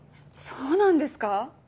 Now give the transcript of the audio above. そうなんですか？